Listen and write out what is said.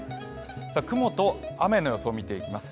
雲と雨の予想を見ていきます。